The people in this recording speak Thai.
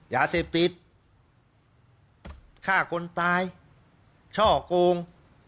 ยาเสพติดฆ่าคนตายช่อกง